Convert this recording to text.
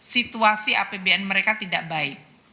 situasi apbn mereka tidak baik